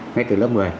ngay từ lớp một mươi